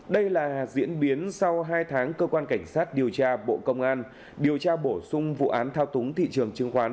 đây là diễn biến sau hai tháng cơ quan cảnh sát điều tra bộ công an điều tra bổ sung vụ án thao túng thị trường chứng khoán